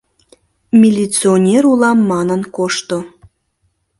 Милиционер улам манын кошто.